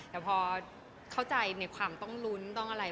แต่พอเข้าใจในความต้องลุ้นต้องอะไร